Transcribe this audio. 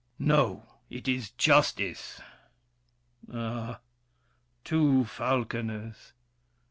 No, it is justice. Ah, Two falconers!